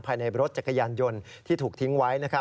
ภายในรถจักรยานยนต์ที่ถูกทิ้งไว้